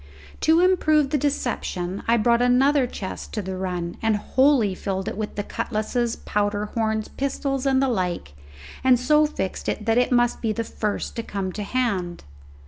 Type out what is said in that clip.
To improve the deception I brought another chest to the run, and wholly filled it with cutlasses, powder horns, pistols, and the like, and so fixed it that it must be the first to come to hand.